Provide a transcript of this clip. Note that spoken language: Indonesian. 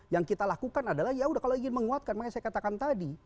yang kita lakukan adalah ya udah kalau ingin menguatkan makanya saya katakan tadi